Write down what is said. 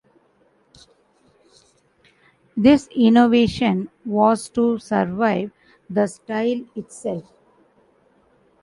This innovation was to survive the style itself.